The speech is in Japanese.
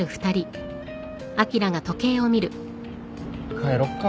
帰ろっか。